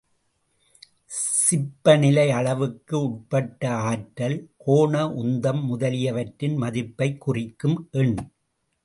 சிப்ப நிலை அளவுக்கு உட்பட்ட ஆற்றல், கோண உந்தம் முதலியவற்றின் மதிப்பைக் குறிக்கும் எண்.